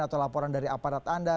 atau laporan dari aparat anda